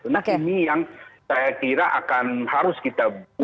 nah ini yang saya kira akan harus kita